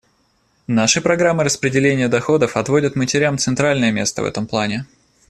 Наши программы распределения доходов отводят матерям центральное место в этом плане.